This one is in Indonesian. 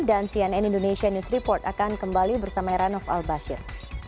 dan cnn indonesia news report akan kembali bersama ranof al bashir